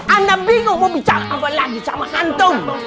anda bingung mau bicara apa lagi sama kantong